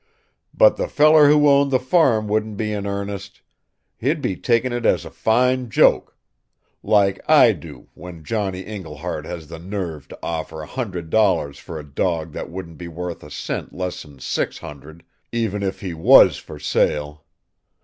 But the feller who owned the farm wouldn't be in earnest. He'd be taking it as a fine joke. Like I do, when Johnny Iglehart has the nerve to offer $100 for a dog that wouldn't be worth a cent less'n $600 even if he was for sale.